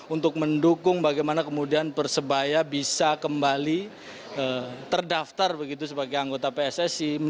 untuk mendukung bagaimana kemudian persebaya bisa kembali terdaftar begitu sebagai anggota pssi